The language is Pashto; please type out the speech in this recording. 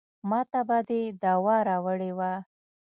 ماته به دې دوا راوړې وه.